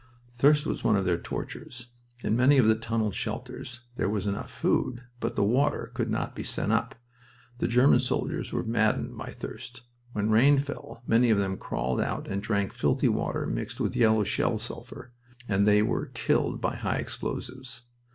Thirst was one of their tortures. In many of the tunneled shelters there was food enough, but the water could not be sent up. The German soldiers were maddened by thirst. When rain fell many of them crawled out and drank filthy water mixed with yellow shell sulphur, and then were killed by high explosives.